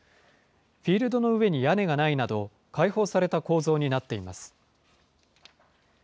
フィールドの上に屋根がないなど、開放された構造になっています。